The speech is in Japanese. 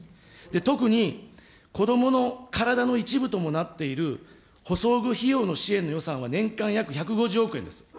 特に、子どもの体の一部ともなっている補装具費用の支援の予算は年間約１５０億円です。